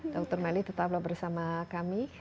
dr melly tetaplah bersama kami